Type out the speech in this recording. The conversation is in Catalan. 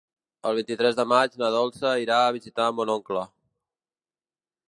El vint-i-tres de maig na Dolça irà a visitar mon oncle.